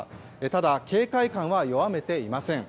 ただ、警戒感は弱めていません。